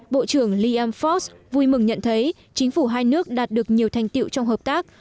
bộ trưởng liam fox vui mừng nhận thấy chính phủ hai nước đạt được nhiều thành tiệu trong hợp tác